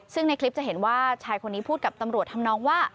ซึ่งในคลิปจะเห็นว่าชายคนนี้พูดกับตำรวจทำนองว่า